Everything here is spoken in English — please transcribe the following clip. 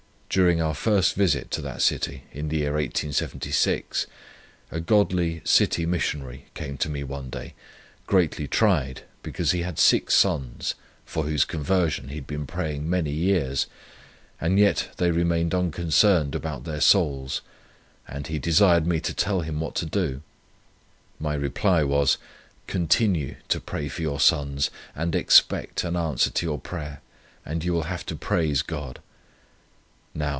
During our first visit to that city, in the year 1876, a godly City Missionary came to me one day, greatly tried, because he had six sons, for whose conversion he had been praying many years, and yet they remained unconcerned about their souls, and he desired me to tell him what to do. My reply was, 'Continue to pray for your sons, and expect an answer to your prayer, and you will have to praise God.'